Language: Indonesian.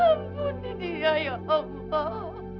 ampuni ya allah